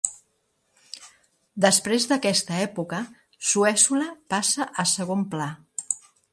Després d'aquesta època, Suèssula passa a segon pla.